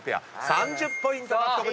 ３０ポイント獲得です。